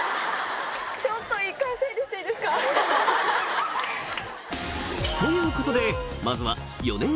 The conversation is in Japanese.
ちょっと。ということでまずはあっどうも。